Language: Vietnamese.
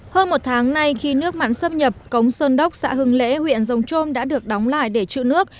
hơn một tháng nay khi nước mặn xâm nhập cống sơn đốc xã hưng lễ huyện rồng trôm đã được đóng lại để chữ nước